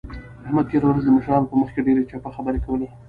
احمد تېره ورځ د مشرانو په مخ کې ډېرې چپه خبرې کولې.